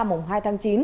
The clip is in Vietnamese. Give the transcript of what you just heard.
mùng hai tháng chín